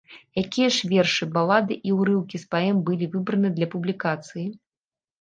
Якія ж вершы, балады і ўрыўкі з паэм былі выбраны для публікацыі?